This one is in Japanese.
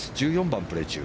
１４番をプレー中。